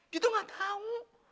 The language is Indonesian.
dia tuh gak tau